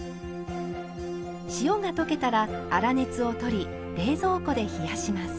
塩が溶けたら粗熱を取り冷蔵庫で冷やします。